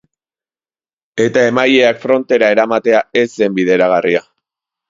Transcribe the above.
Eta emaileak frontera eramatea ez zen bideragarria.